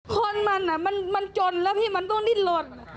คนมันจนแล้วมันต้องดิ้นหล่น